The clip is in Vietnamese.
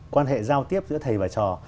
quan hệ giao tiếp giữa thầy và trò